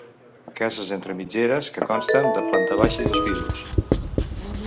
Cases entre mitgeres que consten de planta baixa i dos pisos.